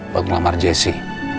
buat ngelamar jessi